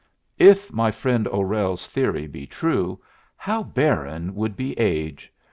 If my friend O'Rell's theory be true, how barren would be Age!